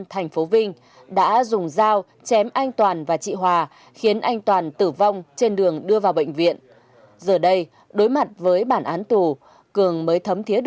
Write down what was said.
hãy đăng ký kênh để ủng hộ kênh của mình nhé